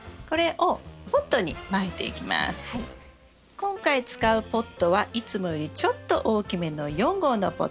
今回使うポットはいつもよりちょっと大きめの４号のポット。